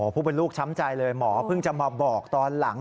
ผู้เป็นลูกช้ำใจเลยหมอเพิ่งจะมาบอกตอนหลัง